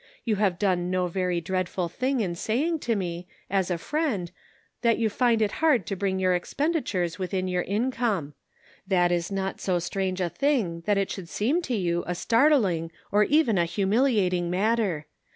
You have done no very dreadful thing in saying to me, as a friend, that you find it hard to bring your expenditures within your income. That is not so strange a thing that it should seem to you a startling, or even a humiliating matter.